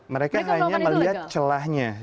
mereka hanya melihat celahnya